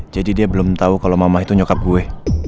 jadi dia belum tau kalo mama itu nyokap gue